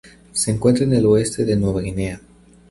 Se encuentra en el oeste de Nueva Guinea.